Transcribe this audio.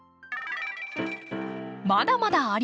まだまだあります！